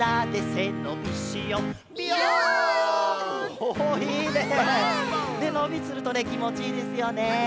せのびするときもちいいですよね。